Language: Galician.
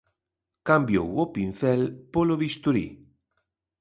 Cambiou o pincel polo bisturí.